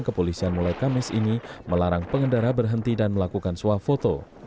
kepolisian mulai kamis ini melarang pengendara berhenti dan melakukan suap foto